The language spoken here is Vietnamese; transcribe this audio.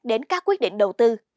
đến các quyết định đầu tư